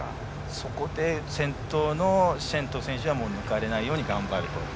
そこで先頭のシェントゥフ選手は抜かれないように頑張ると。